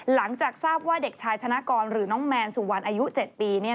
หลังจากทราบว่าเด็กชายธนกรหรือน้องแมนสุวรรณอายุ๗ปี